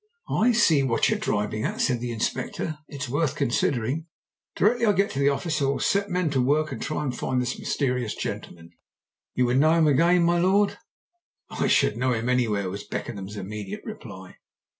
"I see what you're driving at," said the Inspector. "It's worth considering. Directly I get to the office I will set men to work to try and find this mysterious gentleman. You would know him again, my lord?" "I should know him anywhere," was Beckenham's immediate reply.